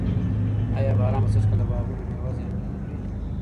آیا باران به سږ کال د باغونو مېوه زیانمنه نه کړي؟